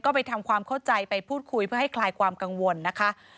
ก็ไปทำความเข้าใจไปพูดคุยเพื่อให้คลายความกังวลนะคะ